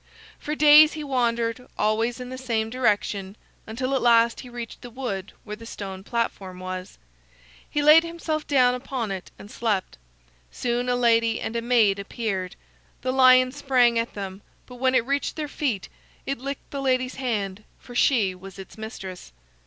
For days he wandered, always in the same direction, until at last he reached the wood where the stone platform was. He laid himself down upon it and slept. Soon a lady and a maid appeared. The lion sprang at them, but when it reached their feet, it licked the lady's hand, for she was its mistress.